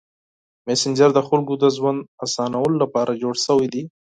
مسېنجر د خلکو د ژوند اسانولو لپاره جوړ شوی دی.